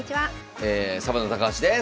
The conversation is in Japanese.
サバンナ高橋です。